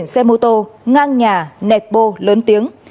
xe mô tô ngang nhà nẹp bô lớn tiếng